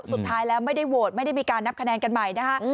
สุดท้ายแล้วไม่ได้โหวตไม่ได้มีการนับคะแนนกันใหม่นะคะ